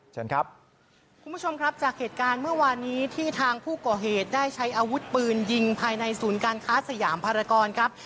เชิญครับคุณผู้ชมครับจากเหตุการณ์เมื่อวานนี้ที่ทางผู้ก่อเหตุได้ใช้อาวุธปืนยิงภายในศูนย์การค้าสยามภารกรครับ